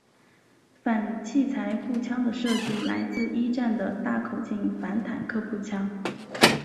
反器材步枪的设计来自一战的大口径反坦克步枪。